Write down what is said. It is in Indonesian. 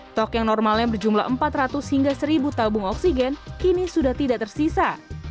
stok yang normalnya berjumlah empat ratus hingga seribu tabung oksigen kini sudah tidak tersisa